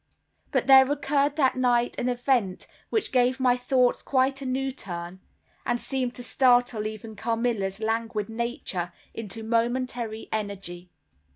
But there occurred that night an event which gave my thoughts quite a new turn, and seemed to startle even Carmilla's languid nature into momentary energy.